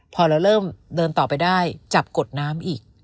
พอเราเริ่มเดินต่อไปได้จับกดน้ำอีก